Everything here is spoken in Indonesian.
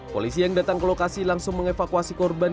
polisi yang datang ke lokasi langsung mengevakuasi korban